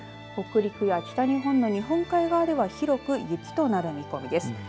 北陸や北日本の日本海側では広く雪となる見込みです。